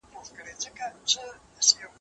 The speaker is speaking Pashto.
تا چي ول کتاب به په بکس کي وي باره په مېز کي و